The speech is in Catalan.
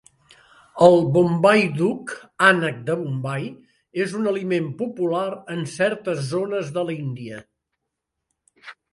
El "Bombay duck" (ànec de Bombai) és un aliment popular en certes zones de l'Índia.